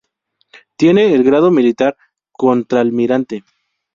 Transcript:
Tiene el grado militar contralmirante